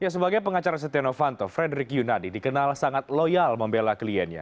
sebagai pengacara setia novanto frederick yunadi dikenal sangat loyal membela kliennya